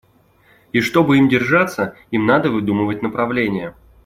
И, чтоб им держаться, им надо выдумывать направление.